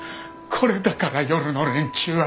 これだから夜の連中は。